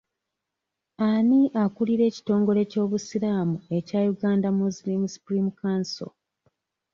Ani akulira ekitongole ky'obusiraamu ekya Uganda Muslim supreme council?